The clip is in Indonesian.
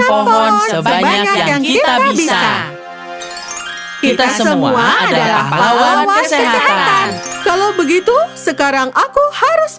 pohon sebanyak yang kita bisa kita semua adalah pawai kesehatan kalau begitu sekarang aku harus